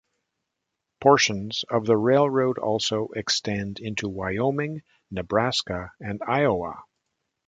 Portions of the railroad also extend into Wyoming, Nebraska and Iowa.